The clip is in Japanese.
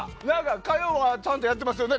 火曜はちゃんとやってますよね。